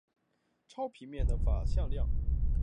超平面的法向量被称作豪斯霍尔德向量。